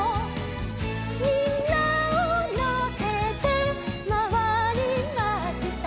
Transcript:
「みんなをのせてまわりました」